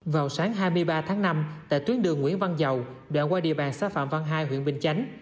vào sáng hai mươi ba tháng năm tại tuyến đường nguyễn văn giàu đoạn qua địa bàn xã phạm văn hai huyện bình chánh